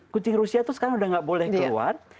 kucing rusia itu sekarang udah nggak boleh keluar